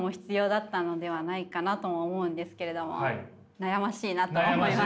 悩ましいなと思います。